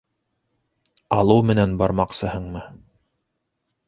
Ялыу менән бармаҡсыһынмы?